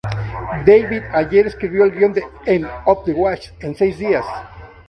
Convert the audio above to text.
David Ayer escribió el guion de "End of Watch" en seis días.